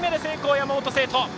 山本聖途！